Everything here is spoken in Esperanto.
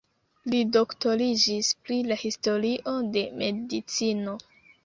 Li doktoriĝis pri la historio de medicino.